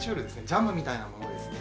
ジャムみたいなものですね。